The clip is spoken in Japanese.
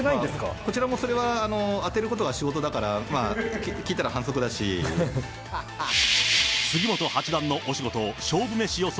こちらもそれを当てることが仕事だから、まあ、聞いたら反則杉本八段のお仕事、勝負メシ予想